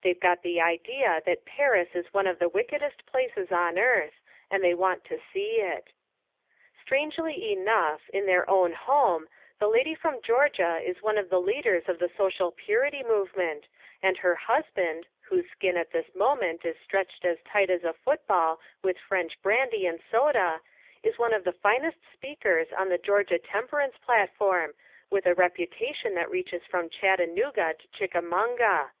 They've got the idea that Paris is one of the wickedest places on earth, and they want to see it. [Illustration: The lady's face is aglow with moral enthusiasm.] Strangely enough, in their own home, the Lady from Georgia is one of the leaders of the Social Purity movement, and her husband, whose skin at this moment is stretched as tight as a football with French brandy and soda, is one of the finest speakers on the Georgia temperance platform, with a reputation that reaches from Chattanooga to Chickamauga.